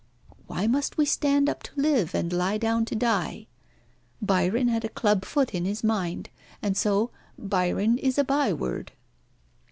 Why must we stand up to live, and lie down to die? Byron had a club foot in his mind, and so Byron is a by word.